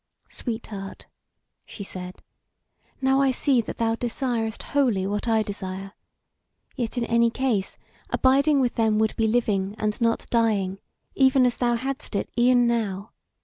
"Sweetheart," she said, "now I see that thou desirest wholly what I desire; yet in any case, abiding with them would be living and not dying, even as thou hadst it e'en now.